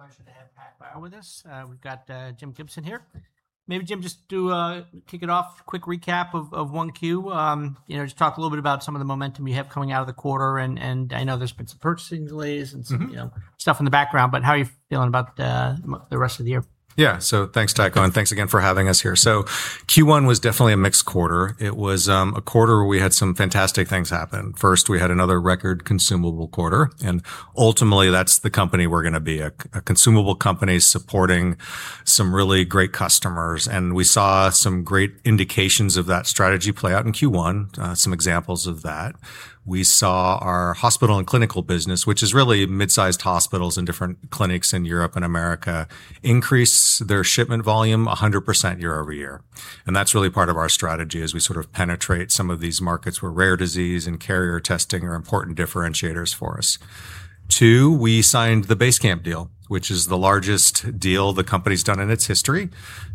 My pleasure to have PacBio with us. We've got Jim Gibson here. Maybe Jim, just to kick it off, quick recap of one Q. Just talk a little bit about some of the momentum you have coming out of the quarter, and I know there's been some purchasing delays. Some stuff in the background, but how are you feeling about the rest of the year? Yeah. Thanks, Tycho, and thanks again for having us here. Q1 was definitely a mixed quarter. It was a quarter where we had some fantastic things happen. First, we had another record consumable quarter. Ultimately that's the company we're going to be, a consumable company supporting some really great customers. We saw some great indications of that strategy play out in Q1. Some examples of that, we saw our hospital and clinical business, which is really mid-sized hospitals and different clinics in Europe and America, increase their shipment volume 100% year-over-year. That's really part of our strategy as we sort of penetrate some of these markets where rare disease and carrier testing are important differentiators for us. Two, we signed the Basecamp deal, which is the largest deal the company's done in its history,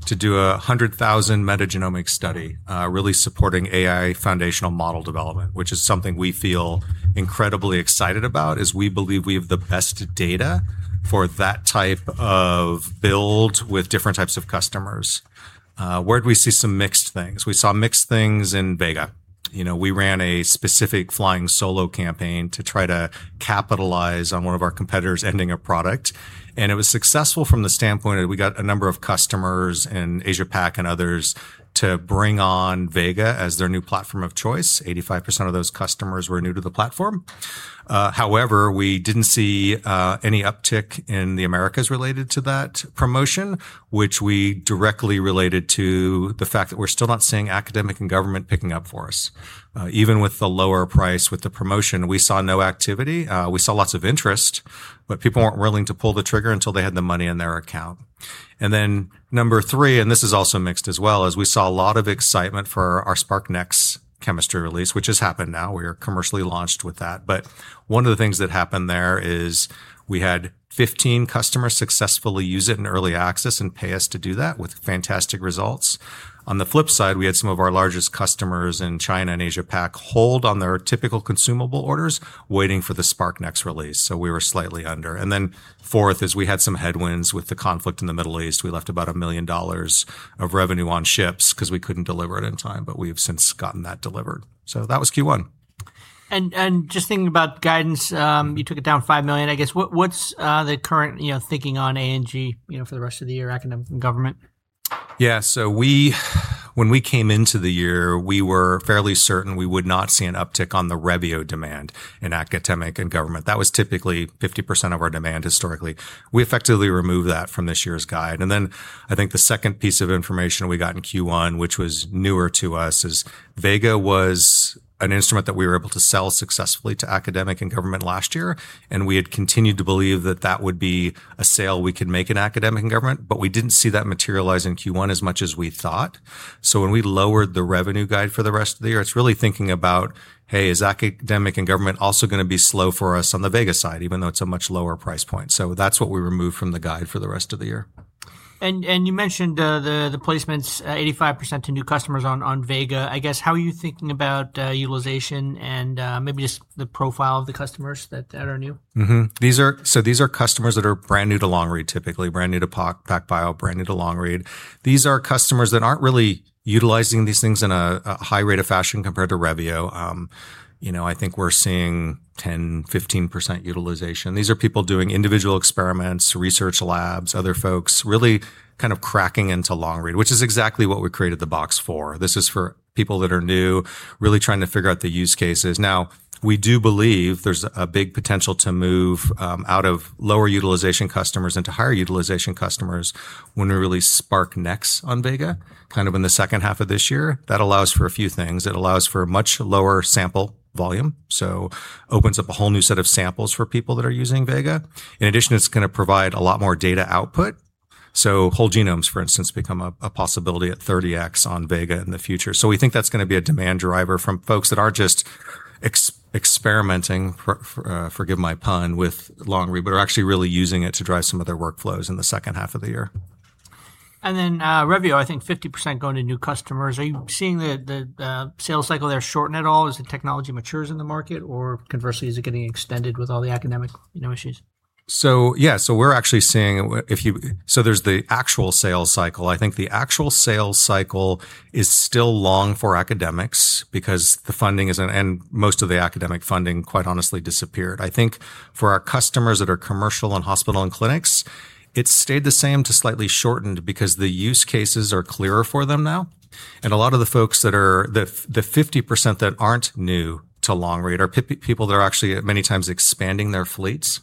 to do 100,000 metagenomic study, really supporting AI foundational model development, which is something we feel incredibly excited about, as we believe we have the best data for that type of build with different types of customers. Where did we see some mixed things? We saw mixed things in Vega. We ran a specific Flying Solo campaign to try to capitalize on one of our competitors ending a product. It was successful from the standpoint of we got a number of customers in Asia-Pac and others to bring on Vega as their new platform of choice. 85% of those customers were new to the platform. We didn't see any uptick in the Americas related to that promotion, which we directly related to the fact that we're still not seeing academic and government picking up for us. Even with the lower price, with the promotion, we saw no activity. We saw lots of interest, people weren't willing to pull the trigger until they had the money in their account. Number three, and this is also mixed as well, is we saw a lot of excitement for our SPRQ-Nx chemistry release, which has happened now. We are commercially launched with that. One of the things that happened there is we had 15 customers successfully use it in early access and pay us to do that with fantastic results. We had some of our largest customers in China and Asia-Pac hold on their typical consumable orders, waiting for the SPRQ-Nx release. We were slightly under. Fourth is we had some headwinds with the conflict in the Middle East. We left about $1 million of revenue on ships because we couldn't deliver it in time. We have since gotten that delivered. That was Q1. Just thinking about guidance, you took it down $5 million. I guess, what's the current thinking on A&G for the rest of the year, academic and government? Yeah. When we came into the year, we were fairly certain we would not see an uptick on the Revio demand in academic and government. That was typically 50% of our demand historically. We effectively removed that from this year's guide. I think the second piece of information we got in Q1, which was newer to us, is Vega was an instrument that we were able to sell successfully to academic and government last year, and we had continued to believe that that would be a sale we could make in academic and government, but we didn't see that materialize in Q1 as much as we thought. When we lowered the revenue guide for the rest of the year, it's really thinking about, hey, is academic and government also going to be slow for us on the Vega side, even though it's a much lower price point? That's what we removed from the guide for the rest of the year. You mentioned the placements 85% to new customers on Vega. I guess, how are you thinking about utilization and maybe just the profile of the customers that are new? These are customers that are brand new to long-read, typically. Brand new to PacBio, brand new to long-read. These are customers that aren't really utilizing these things in a high rate of fashion compared to Revio. I think we're seeing 10%, 15% utilization. These are people doing individual experiments, research labs, other folks really kind of cracking into long-read, which is exactly what we created the box for. This is for people that are new, really trying to figure out the use cases. We do believe there's a big potential to move out of lower utilization customers into higher utilization customers when we release SPRQ-Nx on Vega, kind of in the second half of this year. That allows for a few things. It allows for a much lower sample volume, opens up a whole new set of samples for people that are using Vega. In addition, it's going to provide a lot more data output. So whole genomes, for instance, become a possibility at 30x on Vega in the future. So we think that's going to be a demand driver from folks that aren't just experimenting, forgive my pun, with long-read, but are actually really using it to drive some of their workflows in the second half of the year. Then Revio, I think 50% going to new customers. Are you seeing the sales cycle there shorten at all as the technology matures in the market? Conversely, is it getting extended with all the academic issues? Yeah. There's the actual sales cycle. I think the actual sales cycle is still long for academics because the funding isn't, and most of the academic funding quite honestly disappeared. I think for our customers that are commercial and hospital and clinics, it's stayed the same to slightly shortened because the use cases are clearer for them now. A lot of the folks that are the 50% that aren't new to long-read are people that are actually at many times expanding their fleets.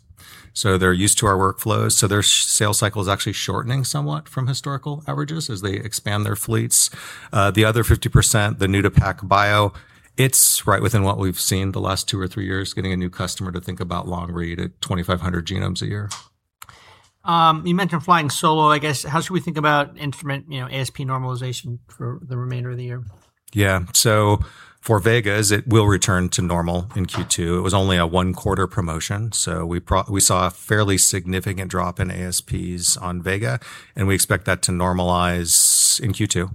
They're used to our workflows, so their sales cycle is actually shortening somewhat from historical averages as they expand their fleets. The other 50%, the new to PacBio, it's right within what we've seen the last two or three years, getting a new customer to think about long-read at 2,500 genomes a year. You mentioned Flying Solo. I guess, how should we think about instrument ASP normalization for the remainder of the year? Yeah. For Vega, it will return to normal in Q2. It was only a one-quarter promotion. We saw a fairly significant drop in ASPs on Vega, and we expect that to normalize in Q2.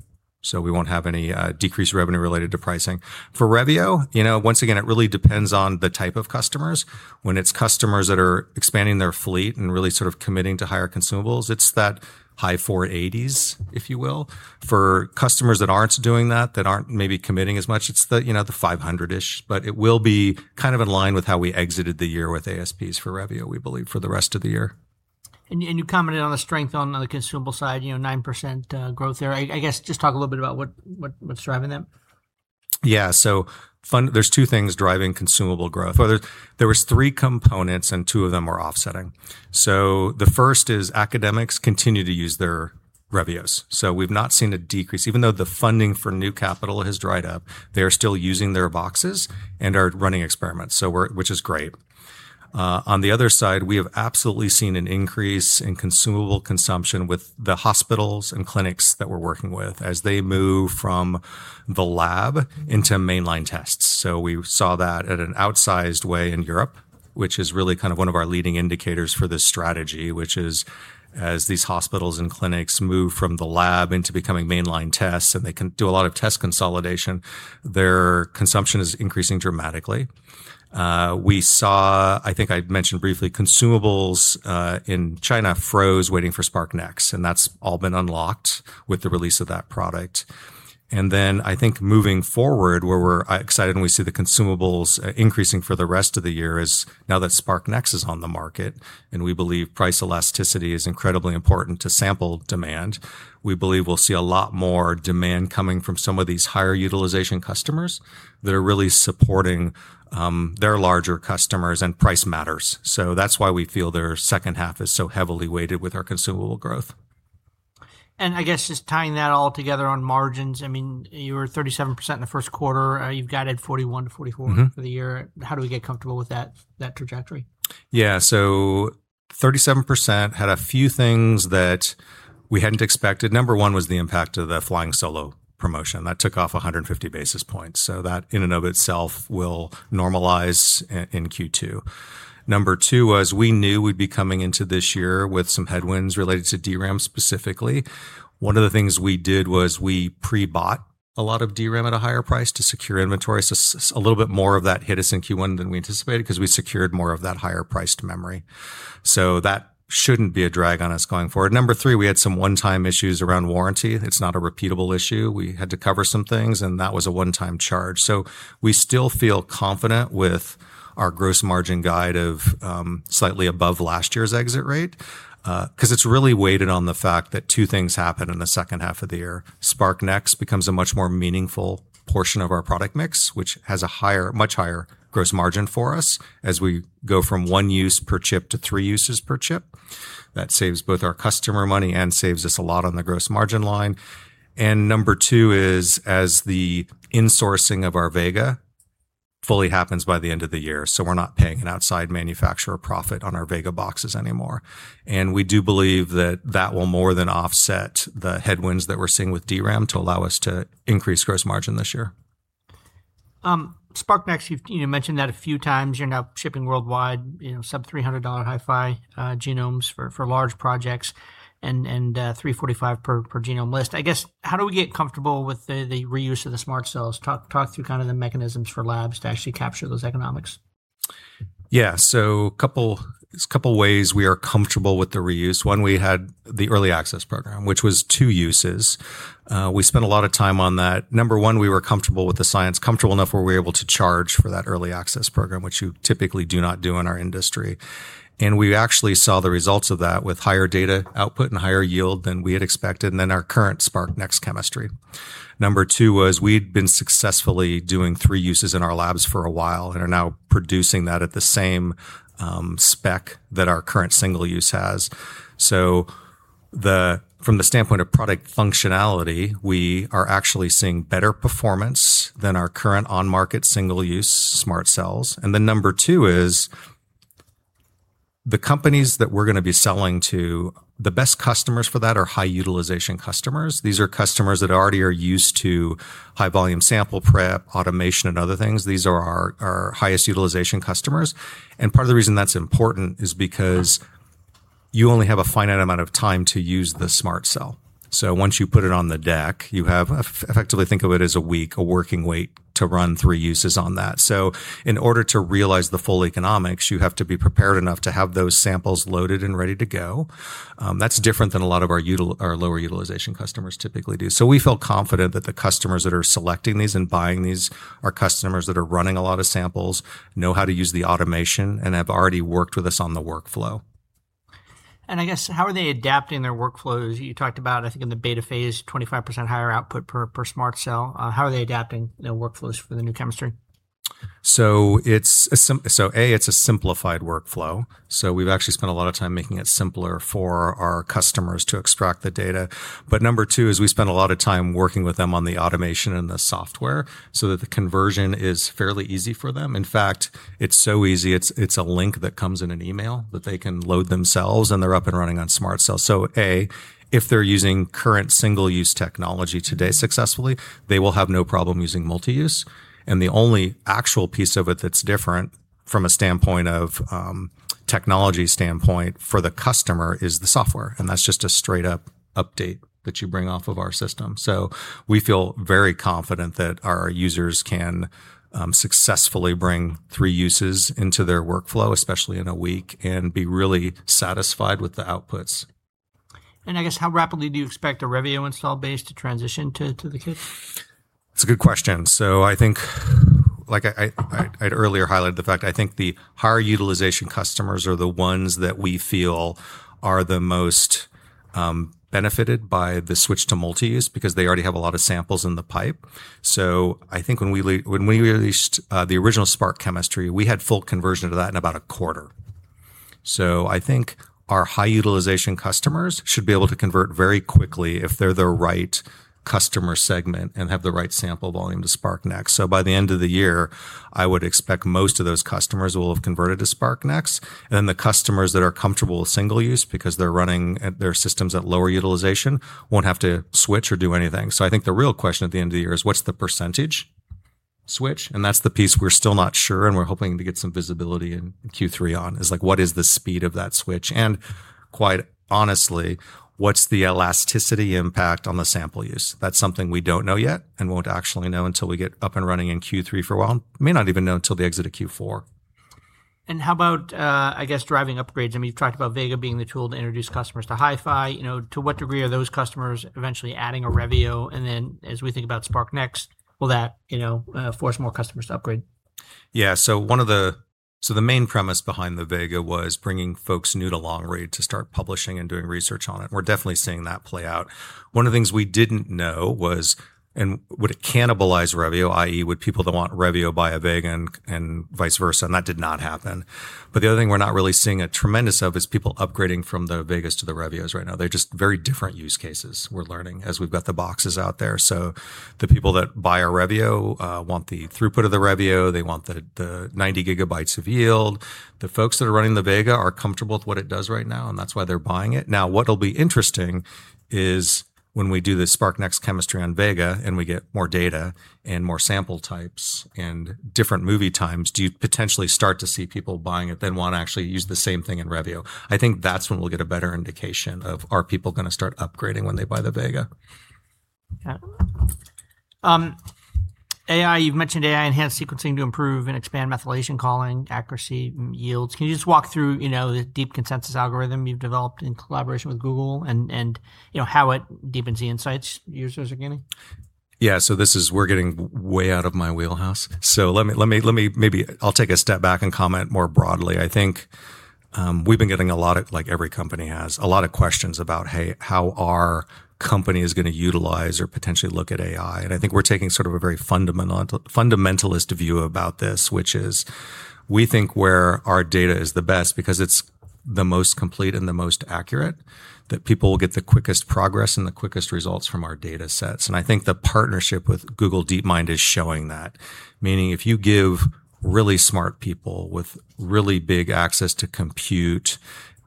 We won't have any decreased revenue related to pricing. For Revio, once again, it really depends on the type of customers. When it's customers that are expanding their fleet and really sort of committing to higher consumables, it's that high $480s, if you will. For customers that aren't doing that aren't maybe committing as much, it's the $500-ish. It will be kind of in line with how we exited the year with ASPs for Revio, we believe, for the rest of the year. You commented on the strength on the consumable side, 9% growth there. I guess just talk a little bit about what's driving that. Yeah. There's two things driving consumable growth. Well, there was three components, and two of them were offsetting. The first is academics continue to use their Revios, so we've not seen a decrease. Even though the funding for new capital has dried up, they are still using their boxes and are running experiments. Which is great. On the other side, we have absolutely seen an increase in consumable consumption with the hospitals and clinics that we're working with as they move from the lab into mainline tests. We saw that at an outsized way in Europe, which is really kind of one of our leading indicators for this strategy, which is as these hospitals and clinics move from the lab into becoming mainline tests, and they can do a lot of test consolidation, their consumption is increasing dramatically. We saw, I think I mentioned briefly, consumables in China froze waiting for SPRQ-Nx. That's all been unlocked with the release of that product. I think moving forward, where we're excited when we see the consumables increasing for the rest of the year is now that SPRQ-Nx is on the market. We believe price elasticity is incredibly important to sample demand. We believe we'll see a lot more demand coming from some of these higher utilization customers that are really supporting their larger customers and price matters. That's why we feel their second half is so heavily weighted with our consumable growth. I guess just tying that all together on margins, you were 37% in the first quarter. You've guided 41%-44% for the year. How do we get comfortable with that trajectory? Yeah. 37% had a few things that we hadn't expected. Number one was the impact of the Flying Solo promotion. That took off 150 basis points, so that in and of itself will normalize in Q2. Number two was we knew we'd be coming into this year with some headwinds related to DRAM specifically. One of the things we did was we pre-bought a lot of DRAM at a higher price to secure inventory, so a little bit more of that hit us in Q1 than we anticipated because we secured more of that higher priced memory. That shouldn't be a drag on us going forward. Number three, we had some one-time issues around warranty. It's not a repeatable issue. We had to cover some things, and that was a one-time charge. We still feel confident with our gross margin guide of slightly above last year's exit rate, because it's really weighted on the fact that two things happen in the second half of the year. SPRQ-Nx becomes a much more meaningful portion of our product mix, which has a much higher gross margin for us as we go from one use per chip to three uses per chip. That saves both our customer money and saves us a lot on the gross margin line. Number two is as the insourcing of our Vega fully happens by the end of the year, so we're not paying an outside manufacturer profit on our Vega boxes anymore. We do believe that that will more than offset the headwinds that we're seeing with DRAM to allow us to increase gross margin this year. SPRQ-Nx, you've mentioned that a few times. You're now shipping worldwide sub-$300 HiFi genomes for large projects and $345 per genome list. I guess, how do we get comfortable with the reuse of the SMRT Cells? Talk through kind of the mechanisms for labs to actually capture those economics. There's a couple ways we are comfortable with the reuse. One, we had the early access program, which was two uses. We spent a lot of time on that. Number one, we were comfortable with the science, comfortable enough where we were able to charge for that early access program, which you typically do not do in our industry. We actually saw the results of that with higher data output and higher yield than we had expected than our current SPRQ-Nx chemistry. Number two was we'd been successfully doing three uses in our labs for a while and are now producing that at the same spec that our current single use has. From the standpoint of product functionality, we are actually seeing better performance than our current on-market single-use SMRT Cells. Number two is the companies that we're going to be selling to, the best customers for that are high utilization customers. These are customers that already are used to high volume sample prep, automation, and other things. These are our highest utilization customers. Part of the reason that's important is because you only have a finite amount of time to use the SMRT Cell. Once you put it on the deck, you have effectively think of it as a week, a working week to run three uses on that. In order to realize the full economics, you have to be prepared enough to have those samples loaded and ready to go. That's different than a lot of our lower utilization customers typically do. We feel confident that the customers that are selecting these and buying these are customers that are running a lot of samples, know how to use the automation, and have already worked with us on the workflow. I guess how are they adapting their workflows? You talked about, I think in the beta phase, 25% higher output per SMRT Cell. How are they adapting their workflows for the new chemistry? A, it's a simplified workflow. We've actually spent a lot of time making it simpler for our customers to extract the data. Number two is we spent a lot of time working with them on the automation and the software so that the conversion is fairly easy for them. In fact, it's so easy, it's a link that comes in an email that they can load themselves, and they're up and running on SMRT Cells. A, if they're using current single-use technology today successfully, they will have no problem using multi-use, and the only actual piece of it that's different from a Technology standpoint for the customer is the software, and that's just a straight-up update that you bring off of our system. We feel very confident that our users can successfully bring three uses into their workflow, especially in a week, and be really satisfied with the outputs. I guess how rapidly do you expect a Revio install base to transition to the kit? That's a good question. I think like I'd earlier highlighted the fact, I think the higher utilization customers are the ones that we feel are the most benefited by the switch to multi-use because they already have a lot of samples in the pipe. I think when we released the original SMRT chemistry, we had full conversion to that in about a quarter. I think our high utilization customers should be able to convert very quickly if they're the right customer segment and have the right sample volume to SPRQ-Nx. By the end of the year, I would expect most of those customers will have converted to SPRQ-Nx. The customers that are comfortable with single use because they're running their systems at lower utilization won't have to switch or do anything. I think the real question at the end of the year is what's the percentage switch? That's the piece we're still not sure, and we're hoping to get some visibility in Q3 on is like, what is the speed of that switch? Quite honestly, what's the elasticity impact on the sample use? That's something we don't know yet and won't actually know until we get up and running in Q3 for a while, and may not even know until the exit of Q4. How about, I guess, driving upgrades? You've talked about Vega being the tool to introduce customers to HiFi. To what degree are those customers eventually adding a Revio? As we think about SMRT Next, will that force more customers to upgrade? Yeah. The main premise behind the Vega was bringing folks new to long-read to start publishing and doing research on it. We're definitely seeing that play out. One of the things we didn't know was would it cannibalize Revio, i.e. would people that want Revio buy a Vega and vice versa? That did not happen. The other thing we're not really seeing a tremendous of is people upgrading from the Vegas to the Revios right now. They're just very different use cases we're learning as we've got the boxes out there. The people that buy a Revio want the throughput of the Revio, they want the 90 GB of yield. The folks that are running the Vega are comfortable with what it does right now, and that's why they're buying it. Now, what'll be interesting is when we do the SMRT Next chemistry on Vega, and we get more data and more sample types and different movie times, do you potentially start to see people buying it, then want to actually use the same thing in Revio? I think that's when we'll get a better indication of are people going to start upgrading when they buy the Vega? Got it. AI, you've mentioned AI enhanced sequencing to improve and expand methylation calling accuracy yields. Can you just walk through the DeepConsensus algorithm you've developed in collaboration with Google and how it deepens the insights users are getting? Yeah. We're getting way out of my wheelhouse. Maybe I'll take a step back and comment more broadly. I think we've been getting, like every company has, a lot of questions about, hey, how are companies going to utilize or potentially look at AI? I think we're taking sort of a very fundamentalist view about this, which is we think where our data is the best because it's the most complete and the most accurate, that people will get the quickest progress and the quickest results from our data sets. I think the partnership with Google DeepMind is showing that. Meaning if you give really smart people with really big access to compute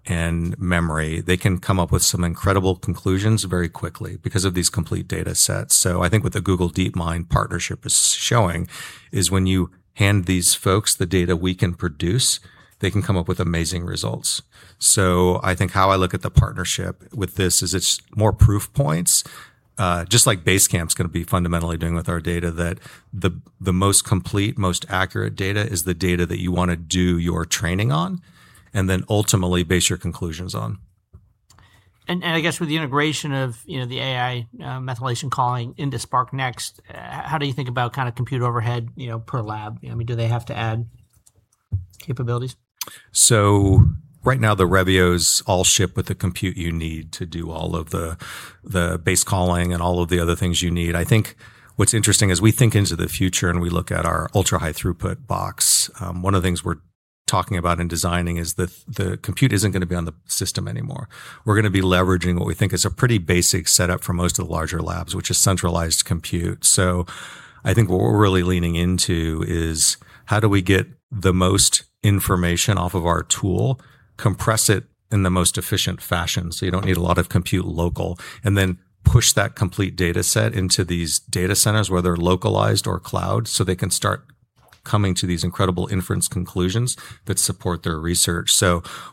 and memory, they can come up with some incredible conclusions very quickly because of these complete data sets. I think what the Google DeepMind partnership is showing is when you hand these folks the data we can produce, they can come up with amazing results. I think how I look at the partnership with this is it's more proof points, just like Basecamp's going to be fundamentally doing with our data that the most complete, most accurate data is the data that you want to do your training on, and then ultimately base your conclusions on. I guess with the integration of the AI methylation calling into SMRT Next, how do you think about compute overhead per lab? Do they have to add capabilities? Right now, the Revios all ship with the compute you need to do all of the base calling and all of the other things you need. I think what's interesting is we think into the future, and we look at our ultra-high-throughput sequencing platform. One of the things we're talking about in designing is the compute isn't going to be on the system anymore. We're going to be leveraging what we think is a pretty basic setup for most of the larger labs, which is centralized compute. I think what we're really leaning into is how do we get the most information off of our tool, compress it in the most efficient fashion, so you don't need a lot of compute local, and then push that complete data set into these data centers, whether localized or cloud, so they can start coming to these incredible inference conclusions that support their research.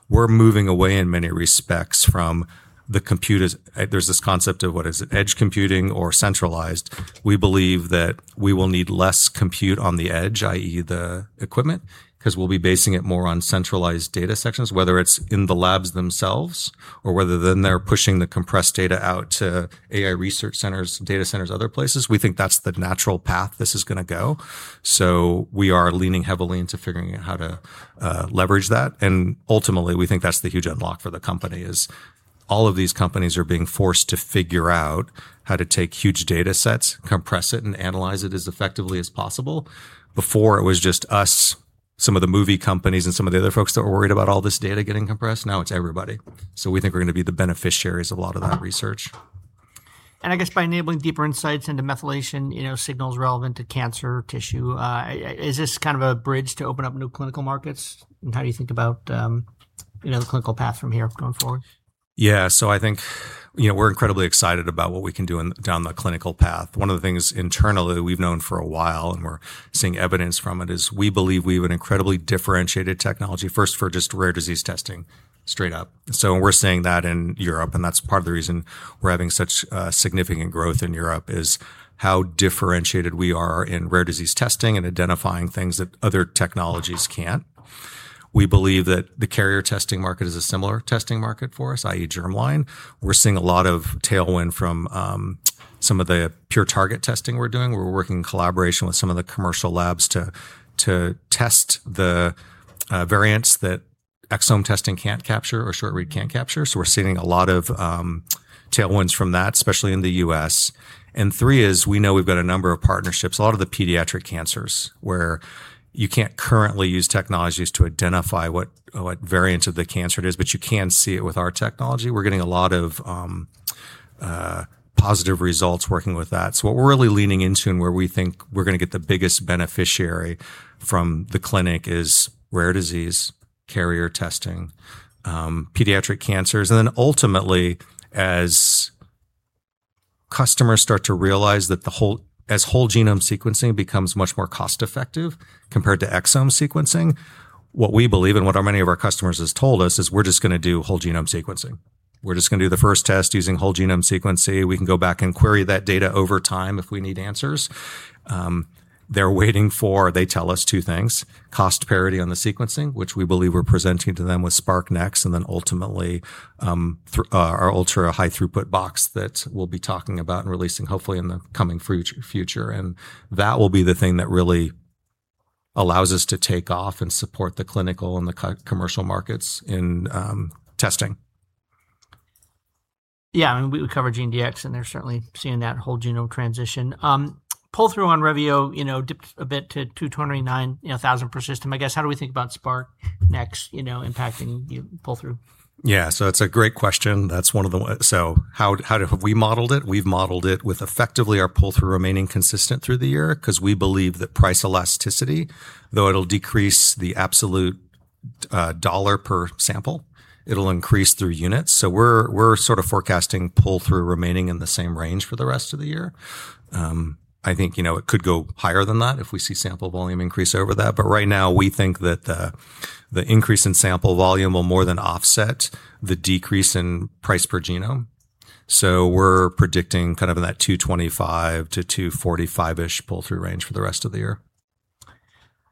We're moving away in many respects from the computers. There's this concept of what is it, edge computing or centralized? We believe that we will need less compute on the edge, i.e. the equipment, because we'll be basing it more on centralized data centers, whether it's in the labs themselves or whether then they're pushing the compressed data out to AI research centers, data centers, other places. We think that's the natural path this is going to go. We are leaning heavily into figuring out how to leverage that, and ultimately, we think that's the huge unlock for the company is all of these companies are being forced to figure out how to take huge data sets, compress it, and analyze it as effectively as possible. Before it was just us, some of the movie companies, and some of the other folks that were worried about all this data getting compressed. Now it's everybody. We think we're going to be the beneficiaries of a lot of that research. I guess by enabling deeper insights into methylation signals relevant to cancer tissue, is this kind of a bridge to open up new clinical markets? How do you think about the clinical path from here going forward? Yeah. I think we're incredibly excited about what we can do down the clinical path. One of the things internally that we've known for a while, and we're seeing evidence from it, is we believe we have an incredibly differentiated technology, first for just rare disease testing straight up. We're seeing that in Europe, and that's part of the reason we're having such significant growth in Europe, is how differentiated we are in rare disease testing and identifying things that other technologies can't. We believe that the carrier testing market is a similar testing market for us, i.e., germline. We're seeing a lot of tailwind from some of the PureTarget testing we're doing. We're working in collaboration with some of the commercial labs to test the variants that exome testing can't capture or short-read can't capture. We're seeing a lot of tailwinds from that, especially in the U.S. Three is, we know we've got a number of partnerships, a lot of the pediatric cancers where you can't currently use technologies to identify what variant of the cancer it is, but you can see it with our technology. We're getting a lot of positive results working with that. What we're really leaning into and where we think we're going to get the biggest beneficiary from the clinic is rare disease carrier testing, pediatric cancers, and ultimately, as customers start to realize that as whole genome sequencing becomes much more cost effective compared to exome sequencing, what we believe and what many of our customers have told us is we're just going to do whole genome sequencing. We're just going to do the first test using whole genome sequencing. We can go back and query that data over time if we need answers. They're waiting for, they tell us two things, cost parity on the sequencing, which we believe we're presenting to them with SPRQ-Nx, ultimately, our ultra-high-throughput sequencing platform that we'll be talking about and releasing hopefully in the coming future. That will be the thing that really allows us to take off and support the clinical and the commercial markets in testing. Yeah. We would cover GeneDx, and they're certainly seeing that whole genome transition. Pull-through on Revio dipped a bit to 29,000 per system. I guess, how do we think about SPRQ-Nx impacting pull-through? Yeah. It's a great question. How have we modeled it? We've modeled it with effectively our pull-through remaining consistent through the year because we believe that price elasticity, though it'll decrease the absolute dollar per sample, it'll increase through units. We're sort of forecasting pull-through remaining in the same range for the rest of the year. I think it could go higher than that if we see sample volume increase over that. Right now, we think that the increase in sample volume will more than offset the decrease in price per genome. We're predicting kind of in that $225-$245-ish pull-through range for the rest of the year.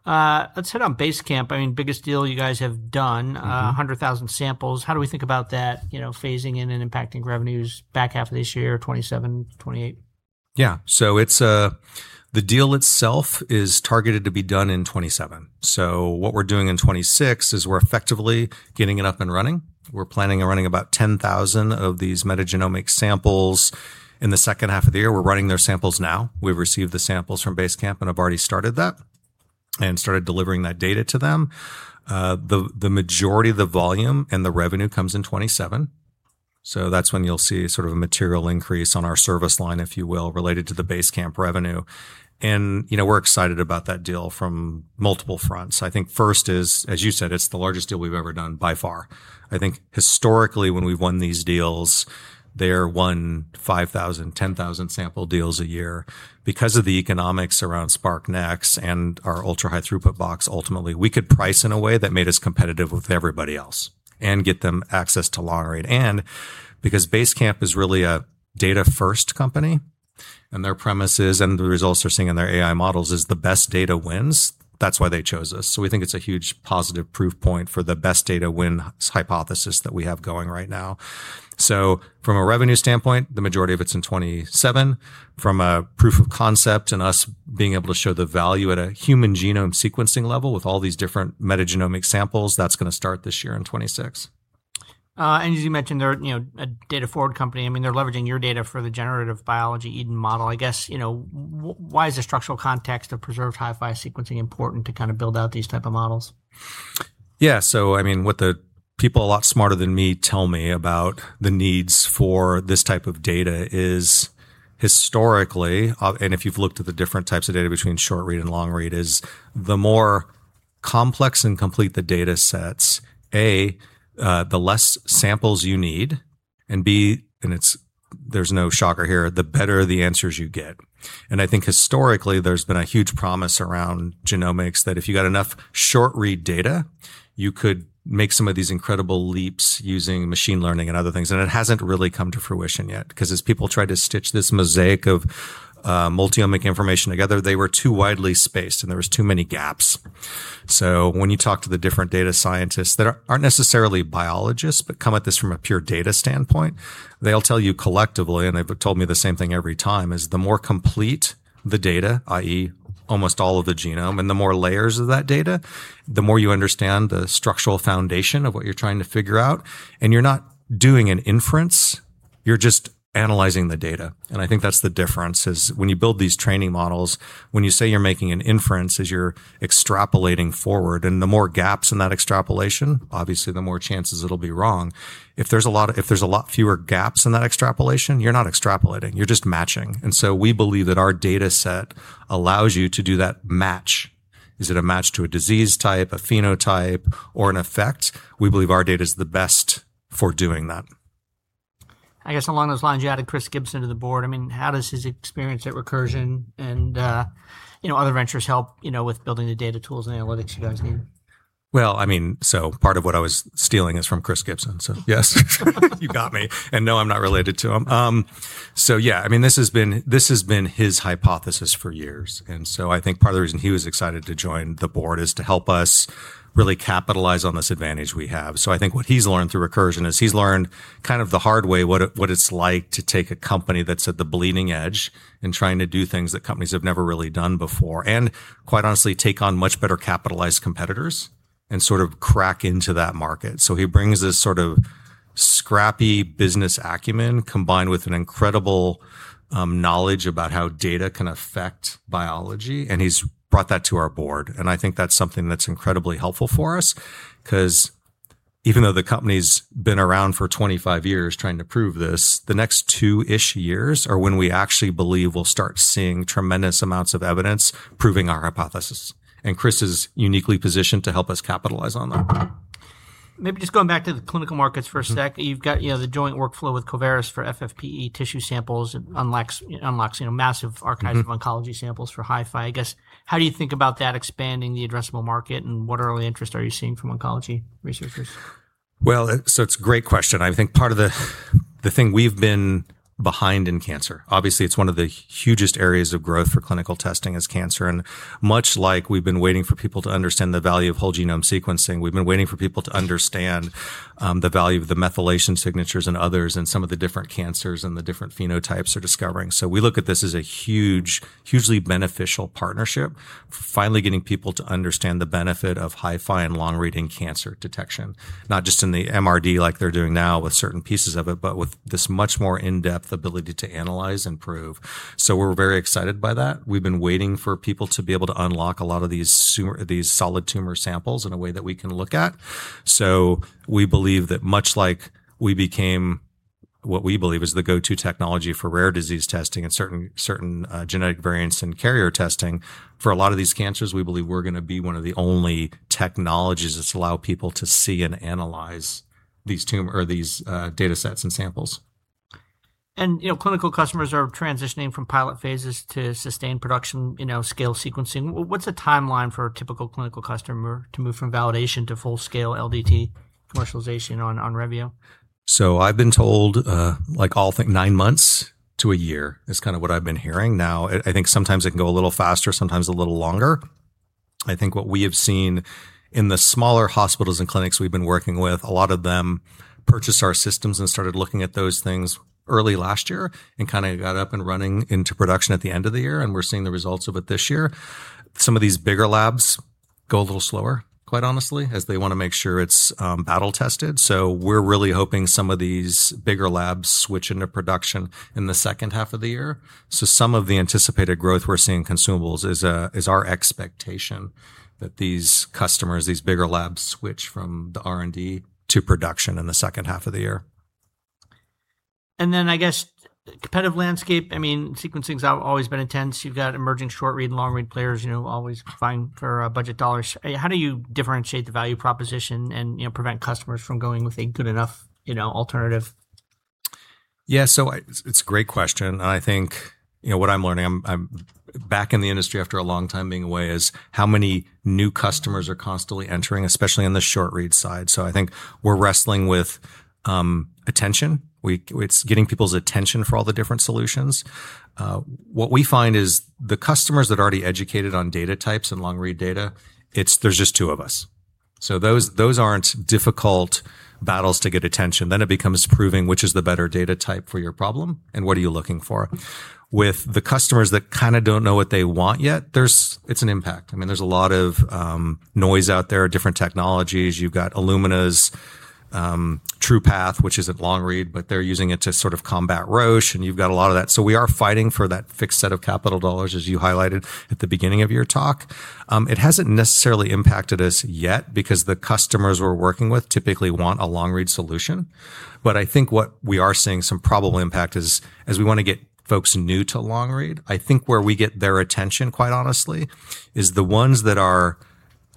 Let's hit on Basecamp. Biggest deal you guys have done, 100,000 samples. How do we think about that phasing in and impacting revenues back half of this year, 2027, 2028? The deal itself is targeted to be done in 2027. What we're doing in 2026 is we're effectively getting it up and running. We're planning on running about 10,000 of these metagenomic samples in the second half of the year. We're running their samples now. We've received the samples from Basecamp and have already started that and started delivering that data to them. The majority of the volume and the revenue comes in 2027, so that's when you'll see sort of a material increase on our service line, if you will, related to the Basecamp revenue. We're excited about that deal from multiple fronts. I think first is, as you said, it's the largest deal we've ever done by far. I think historically when we've won these deals, they're one 5,000, 10,000 sample deals a year. Because of the economics around SPRQ-Nx and our ultra-high-throughput box, ultimately, we could price in a way that made us competitive with everybody else and get them access to long-read. Because Basecamp is really a data first company, and their premise is, and the results they're seeing in their AI models is the best data wins, that's why they chose us. We think it's a huge positive proof point for the best data win hypothesis that we have going right now. From a revenue standpoint, the majority of it's in 2027. From a proof of concept and us being able to show the value at a human genome sequencing level with all these different metagenomic samples, that's going to start this year in 2026. As you mentioned, they're a data forward company. They're leveraging your data for the generative biology EDEN model. I guess, why is the structural context of preserved HiFi sequencing important to kind of build out these type of models? Yeah. What the people a lot smarter than me tell me about the needs for this type of data is historically, and if you've looked at the different types of data between short-read and long-read, is the more complex and complete the data sets, A, the less samples you need, and B, and there's no shocker here, the better the answers you get. I think historically, there's been a huge promise around genomics that if you got enough short-read data, you could make some of these incredible leaps using machine learning and other things. It hasn't really come to fruition yet, because as people tried to stitch this mosaic of multi-omics information together, they were too widely spaced, and there was too many gaps. When you talk to the different data scientists that aren't necessarily biologists, but come at this from a pure data standpoint, they'll tell you collectively, and they've told me the same thing every time, is the more complete the data, i.e., almost all of the genome, and the more layers of that data, the more you understand the structural foundation of what you're trying to figure out. You're not doing an inference, you're just analyzing the data. I think that's the difference is when you build these training models, when you say you're making an inference is you're extrapolating forward, and the more gaps in that extrapolation, obviously, the more chances it'll be wrong. If there's a lot fewer gaps in that extrapolation, you're not extrapolating, you're just matching. We believe that our data set allows you to do that match. Is it a match to a disease type, a phenotype, or an effect? We believe our data's the best for doing that. I guess along those lines, you added Chris Gibson to the board. How does his experience at Recursion and other ventures help with building the data tools and analytics you guys need? Well, part of what I was stealing is from Christopher Gibson, yes, you got me. No, I'm not related to him. Yeah, this has been his hypothesis for years, I think part of the reason he was excited to join the board is to help us really capitalize on this advantage we have. I think what he's learned through Recursion is he's learned kind of the hard way, what it's like to take a company that's at the bleeding edge and trying to do things that companies have never really done before, quite honestly, take on much better capitalized competitors and sort of crack into that market. He brings this sort of scrappy business acumen combined with an incredible knowledge about how data can affect biology, and he's brought that to our board, and I think that's something that's incredibly helpful for us. Even though the company's been around for 25 years trying to prove this, the next two-ish years are when we actually believe we'll start seeing tremendous amounts of evidence proving our hypothesis, and Chris is uniquely positioned to help us capitalize on that. Maybe just going back to the clinical markets for a sec. You've got the joint workflow with Covaris for FFPE tissue samples. It unlocks massive archives of oncology samples for HiFi. I guess, how do you think about that expanding the addressable market, and what early interest are you seeing from oncology researchers? Well, it's a great question. I think part of the thing, we've been behind in cancer. Obviously, it's one of the hugest areas of growth for clinical testing is cancer, and much like we've been waiting for people to understand the value of whole genome sequencing, we've been waiting for people to understand the value of the methylation signatures in others and some of the different cancers and the different phenotypes are discovering. We look at this as a hugely beneficial partnership, finally getting people to understand the benefit of HiFi and long-read in cancer detection, not just in the MRD like they're doing now with certain pieces of it, but with this much more in-depth ability to analyze and prove. We're very excited by that. We've been waiting for people to be able to unlock a lot of these solid tumor samples in a way that we can look at. We believe that much like we became what we believe is the go-to technology for rare disease testing and certain genetic variants and carrier testing, for a lot of these cancers, we believe we're going to be one of the only technologies that allow people to see and analyze these datasets and samples. Clinical customers are transitioning from pilot phases to sustained production scale sequencing. What's the timeline for a typical clinical customer to move from validation to full-scale LDT commercialization on Revio? I've been told, nine months to a year is kind of what I've been hearing now. I think sometimes it can go a little faster, sometimes a little longer. I think what we have seen in the smaller hospitals and clinics we've been working with, a lot of them purchased our systems and started looking at those things early last year and kind of got up and running into production at the end of the year, and we're seeing the results of it this year. Some of these bigger labs go a little slower, quite honestly, as they want to make sure it's battle tested. We're really hoping some of these bigger labs switch into production in the second half of the year. Some of the anticipated growth we're seeing in consumables is our expectation that these customers, these bigger labs, switch from the R&D to production in the second half of the year. I guess competitive landscape. Sequencing's always been intense. You've got emerging short-read and long-read players always vying for budget dollars. How do you differentiate the value proposition and prevent customers from going with a good enough alternative? Yeah, it's a great question, and I think what I'm learning, I'm back in the industry after a long time being away, is how many new customers are constantly entering, especially on the short-read side. I think we're wrestling with attention. It's getting people's attention for all the different solutions. What we find is the customers that are already educated on data types and long-read data, there's just two of us. Those aren't difficult battles to get attention. It becomes proving which is the better data type for your problem and what are you looking for. With the customers that kind of don't know what they want yet, it's an impact. There's a lot of noise out there, different technologies. You've got Illumina's TruPath, which isn't long-read, but they're using it to sort of combat Roche, and you've got a lot of that. We are fighting for that fixed set of capital dollars, as you highlighted at the beginning of your talk. It hasn't necessarily impacted us yet because the customers we're working with typically want a long-read solution. I think what we are seeing some probable impact is, as we want to get folks new to long-read. I think where we get their attention, quite honestly, is the ones that are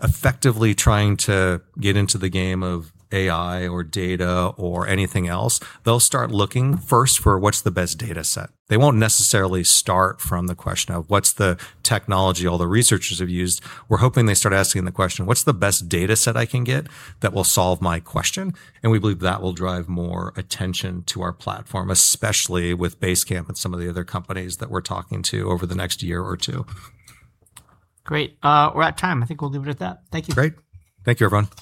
effectively trying to get into the game of AI or data or anything else. They'll start looking first for what's the best dataset. They won't necessarily start from the question of what's the technology all the researchers have used. We're hoping they start asking the question, what's the best dataset I can get that will solve my question? We believe that will drive more attention to our platform, especially with Basecamp and some of the other companies that we're talking to over the next year or two. Great. We're at time. I think we'll leave it at that. Thank you. Great. Thank you, everyone.